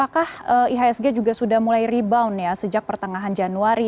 apakah ihsg juga sudah mulai rebound ya sejak pertengahan januari